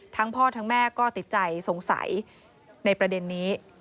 พ่อทั้งแม่ก็ติดใจสงสัยในประเด็นนี้